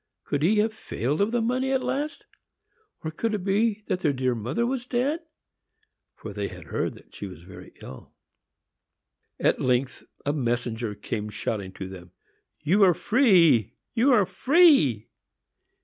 Could he have failed of the money, at last? Or could it be that their dear mother was dead, for they had heard that she was very ill! At length a messenger came shouting to them, "You are free, you are free!"